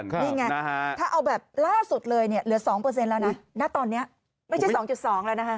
นี่ไงถ้าเอาแบบล่าสุดเลยเนี่ยเหลือ๒แล้วนะณตอนนี้ไม่ใช่๒๒แล้วนะคะ